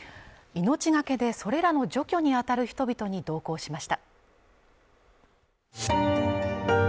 命がけでそれらの除去に当たる人々に同行しました。